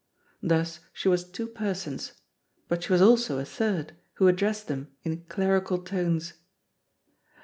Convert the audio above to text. Thus she was two persons, but she was also a third, who addressed them in clerical tones.